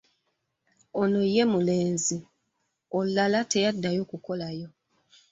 Ono ye mulenzi olulala teyaddayo kukolayo.